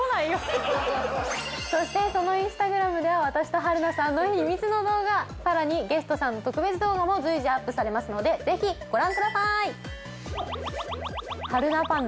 そしてそのインスタグラムでは私と春菜さんの秘密の動画さらにゲストさんの特別動画も随時アップされますのでぜひご覧ください！